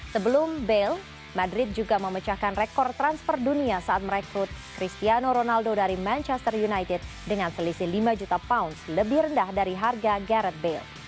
sebelum bail madrid juga memecahkan rekor transfer dunia saat merekrut cristiano ronaldo dari manchester united dengan selisih lima juta pound lebih rendah dari harga garet bail